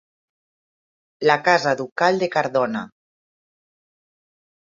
La casa ducal de Cardona.